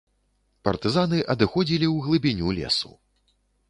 Партызаны адыходзілі ў глыбіню лесу.